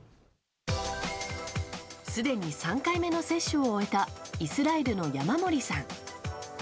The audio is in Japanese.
すでに３回目の接種を終えたイスラエルの山森さん。